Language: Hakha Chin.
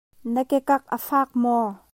Na kekak an faak maw?